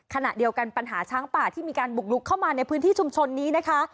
ขณะเดียวกันปัญหาช้างป่าที่มีการบุกลุกเข้ามาในพื้นที่ชุมชนนี้นะคะ